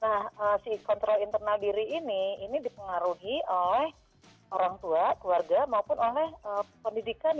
nah si kontrol internal diri ini ini dipengaruhi oleh orang tua keluarga maupun oleh pendidikan